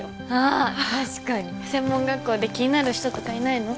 あ確かに専門学校で気になる人とかいないの？